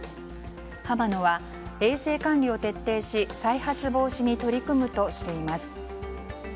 はま乃は、衛生管理を徹底し再発防止に取り組むとしています。